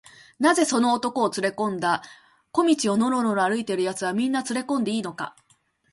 「なぜその男をつれこんだんだ？小路をのろのろ歩いているやつは、みんなつれこんでいいのか？」